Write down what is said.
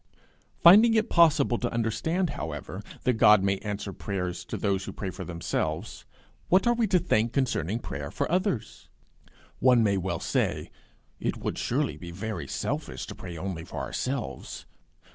Finding it possible to understand, however, that God may answer prayers to those who pray for themselves, what are we to think concerning prayer for others? One may well say, It would surely be very selfish to pray only for ourselves!